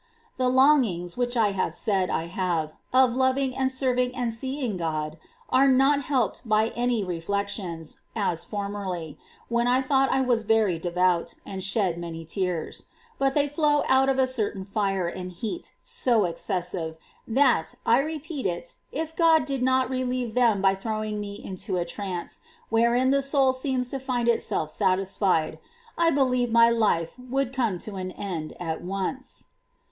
15. The longings, which I said I have,i of loving ?apt^^e.°^ and serving and seeing God, are not helped by any reflections, as formerly, when I thought I was very devout, and shed many tears ; but they flow out of a certain fire and heat so excessive that, I repeat it, if God did not relieve them by throwing me into a trance, wherein the soul seems to find itself satisfied, I believe my life would come to an end at once.